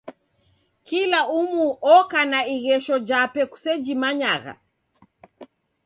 Kila umu oka na ighesho jape kusejimanyagha.